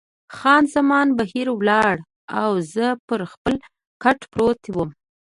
خان زمان بهر ولاړه او زه پر خپل کټ پروت وم.